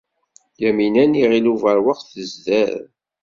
Yamina n Yiɣil Ubeṛwaq tezder.